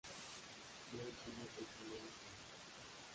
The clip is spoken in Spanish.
Bale tuvo tres hermanas mayores.